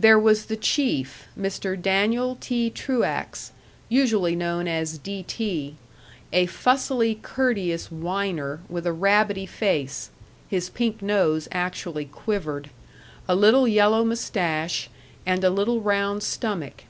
There was the chief, Mr. Daniel T. Truax, usually known as "D. T.," a fussily courteous whiner with a rabbity face (his pink nose actually quivered), a little yellow mustache, and a little round stomach.